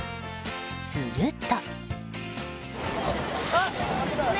すると。